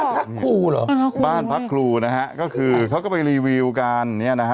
บ้านพักครูเหรอบ้านพักครูเหรอบ้านพักครูนะฮะก็คือเขาก็ไปรีวิวการเนี้ยนะฮะ